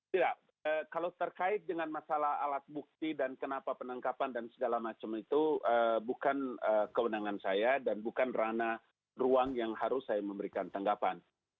tidak kalau terkait dengan masalah alat bukti dan kenapa penangkapan dan segala macam itu bukan kewenangan saya dan bukan rana ruang yang harus saya memberikan tanggapan